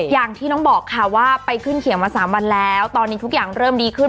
อย่างที่น้องบอกค่ะว่าไปขึ้นเขียงมา๓วันแล้วตอนนี้ทุกอย่างเริ่มดีขึ้น